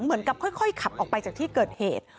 เหมือนกับค่อยขับออกไปจากที่เกิดเหตุ